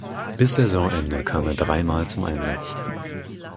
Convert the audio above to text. Bis Saisonende kam er dreimal zum Einsatz.